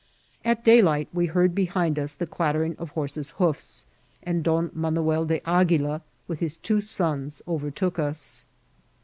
At dayligl)^ we heard behind us the clattering of horses' hoofs, and Don Manuel de Aguila, with his two sons, overtook us.